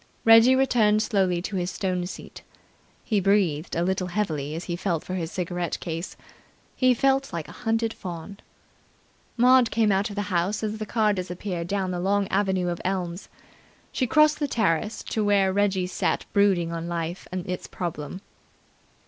Reggie returned slowly to his stone seat. He breathed a little heavily as he felt for his cigarette case. He felt like a hunted fawn. Maud came out of the house as the car disappeared down the long avenue of elms. She crossed the terrace to where Reggie sat brooding on life and its problem.